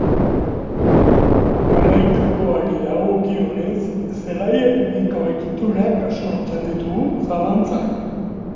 Hamaikakoari dagokionez, zelai erdiko egiturak sortzen ditu zalantzak.